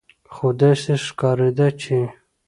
خو داسې ښکارېده چې